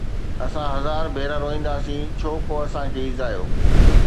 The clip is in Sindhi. اسان هزار ڀيرا روئنداسين ڇو ڪو اسان کي ايذايو